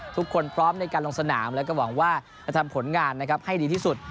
พร้อมในการลงสนามแล้วก็หวังว่าจะทำผลงานนะครับให้ดีที่สุด